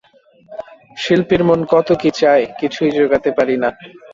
শিল্পীর মন কত কী চায়, কিছুই যোগাতে পারি না।